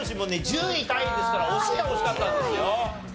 １０位タイですから惜しいは惜しかったんですよ。